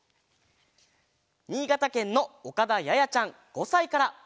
にいがたけんのおかだややちゃん５さいから。